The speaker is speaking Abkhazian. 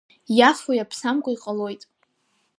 Иафо иаԥсамкәа иҟалоит.